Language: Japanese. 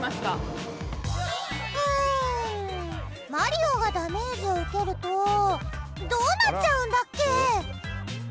マリオがダメージを受けるとどうなっちゃうんだっけ？